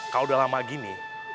kalo udah lama gini